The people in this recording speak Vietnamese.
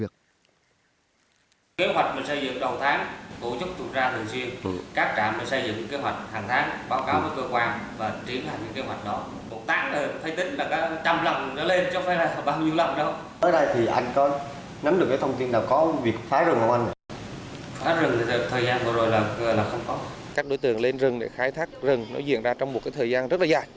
các đối tượng lên rừng để khai thác rừng nó diễn ra trong một cái thời gian rất là dài